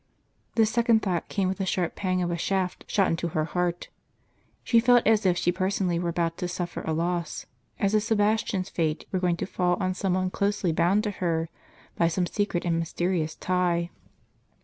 This second thought came with the sharp pang of a shaft shot into her heart. She felt as if she personally were about to sufl"er a loss, as if Sebastian's fate were going to fall on some one closely bound to her, by some secret and mysterious tie.